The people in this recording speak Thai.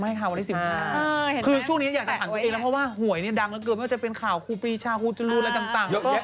ไม่ค่ะวันนี้๑๖คือช่วงนี้อยากจะถามตัวเองนะเพราะว่าหวยเนี่ยดังแล้วเกินไม่ว่าจะเป็นข่าวครูปีชาครูจรูอะไรต่าง